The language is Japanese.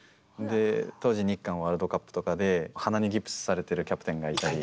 当時日韓ワールドカップとかで鼻にギプスされてるキャプテンがいたり。